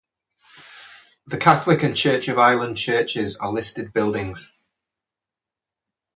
The Catholic and Church of Ireland churches are listed buildings.